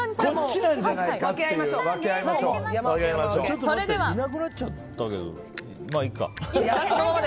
ちょっと待っていなくなっちゃったけどまあいいか。